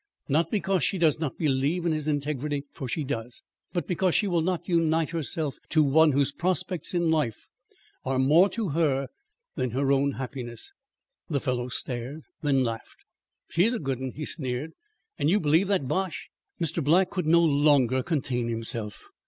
Not because she does not believe in his integrity, for she does; but because she will not unite herself to one whose prospects in life are more to her than her own happiness." The fellow stared, then laughed: "She's a goodun," he sneered. "And you believe that bosh?" Mr. Black could no longer contain himself.